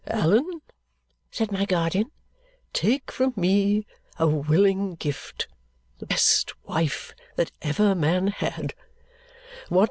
"Allan," said my guardian, "take from me a willing gift, the best wife that ever man had.